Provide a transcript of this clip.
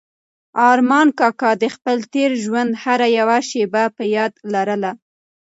ارمان کاکا د خپل تېر ژوند هره یوه شېبه په یاد لرله.